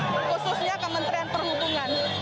khususnya kementerian perhubungan